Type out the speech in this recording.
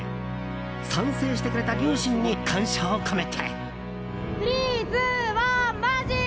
賛成してくれた両親に感謝を込めて。